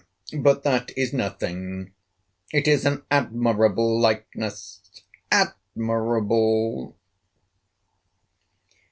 But that is nothing. It is an admirable likeness, admirable!"